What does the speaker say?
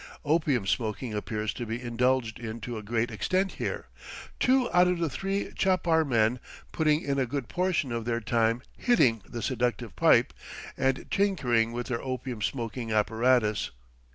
Opium smoking appears to be indulged in to a great extent here, two out of the three chapar men putting in a good portion of their time "hitting" the seductive pipe, and tinkering with their opium smoking apparatus.